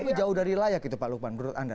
ini jauh dari layak itu pak lukman menurut anda